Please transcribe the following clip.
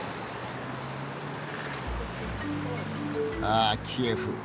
ああキエフ